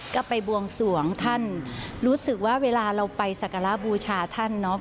ก็ไปบวงสวงท่านรู้สึกว่าเวลาเราไปสักการะบูชาท่านเนาะ